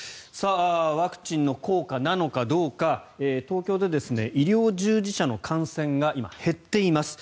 ワクチンの効果なのかどうか東京で医療従事者の感染が今、減っています。